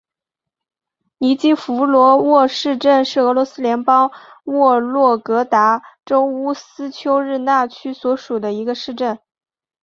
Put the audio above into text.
尼基福罗沃市镇是俄罗斯联邦沃洛格达州乌斯秋日纳区所属的一个市镇。